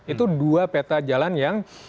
itu dua peta jalan yang